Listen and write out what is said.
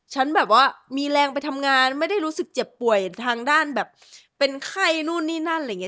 ฉันแบบว่ามีแรงไปทำงานไม่ได้รู้สึกเจ็บป่วยทางด้านแบบเป็นไข้นู่นนี่นั่นอะไรอย่างนี้